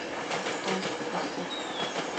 Aton chuchu isec